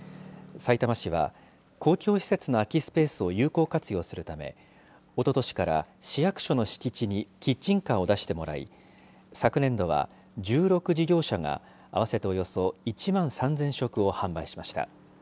さいたま市は、公共施設の空きスペースを有効活用するため、おととしから市役所の敷地にキッチンカーを出してもらい、昨年度は１６事業者が、合わせておよそ１万３０００食を販売しました。